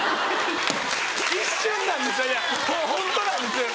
一瞬なんですよいやホントなんです！